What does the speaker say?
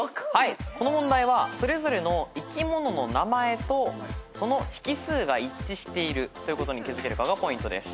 この問題はそれぞれの生き物の名前とその匹数が一致しているということに気付けるかがポイントです。